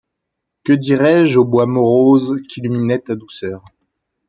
Que dirai-je au bois morose Qu’illuminait ta douceur ?